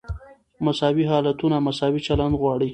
مساوي حالتونه مساوي چلند غواړي.